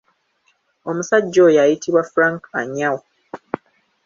Omusajja oyo ayitibwa Frank Anyau.